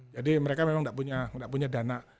jadi mereka memang gak punya dana